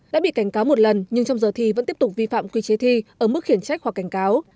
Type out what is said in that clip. đã bị cảnh cáo một lần nhưng trong giờ thi vẫn tiếp tục vi phạm quy chế thi ở mức khiển trách hoặc cảnh cáo